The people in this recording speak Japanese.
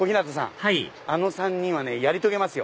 はいあの３人はやり遂げますよ。